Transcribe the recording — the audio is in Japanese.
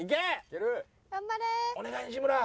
お願い西村！